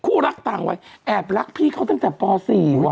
รักต่างวัยแอบรักพี่เขาตั้งแต่ป๔ว่